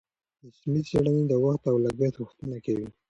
رسمي څېړنې د وخت او لګښت غوښتنه کوي.